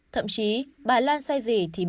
thậm chí bà lan sai gì thì bị cáo